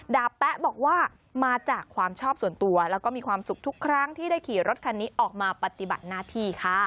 แป๊ะบอกว่ามาจากความชอบส่วนตัวแล้วก็มีความสุขทุกครั้งที่ได้ขี่รถคันนี้ออกมาปฏิบัติหน้าที่ค่ะ